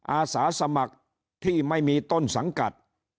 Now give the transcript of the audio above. อาสาสมัครที่ไม่มีต้นสังกัด